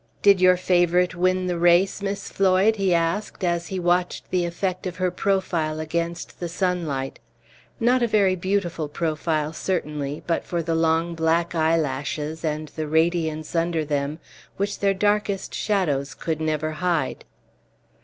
"Did your favorite win the race, Miss Floyd?" he asked, as he watched the effect of her profile against the sunlight; not a very beautiful profile certainly, but for the long black eyelashes, and the radiance under them, which their darkest shadows could never hide.